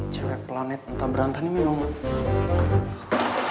cewek planet entah berantan ini minum apa